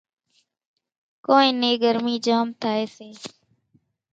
ڪونئين نين ڳرمِي جھام ٿائيَ سي۔